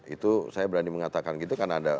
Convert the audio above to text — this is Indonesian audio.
itu saya berani mengatakan gitu kan ada